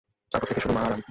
তারপর থেকে, শুধু মা আর আমি।